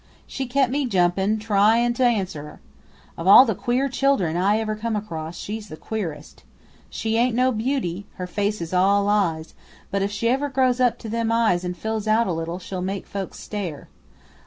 She kep' me jumpin' tryin' to answer her! Of all the queer children I ever come across she's the queerest. She ain't no beauty her face is all eyes; but if she ever grows up to them eyes an' fills out a little she'll make folks stare.